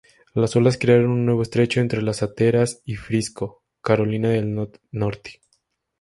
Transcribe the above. Las olas crearon un nuevo estrecho entre Hatteras y Frisco, Carolina del Norte.